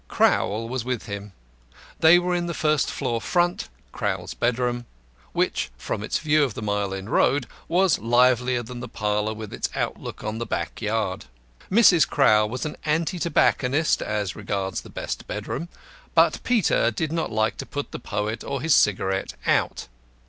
Crowl was with him. They were in the first floor front, Crowl's bedroom, which, from its view of the Mile End Road, was livelier than the parlour with its outlook on the backyard. Mrs. Crowl was an anti tobacconist as regards the best bedroom; but Peter did not like to put the poet or his cigarette out.